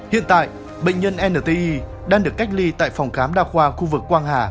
hiện tại bệnh nhân nti đang được cách ly tại phòng khám đa khoa khu vực quang hà